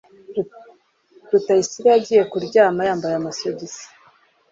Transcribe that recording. Rutayisire yagiye kuryama yambaye amasogisi.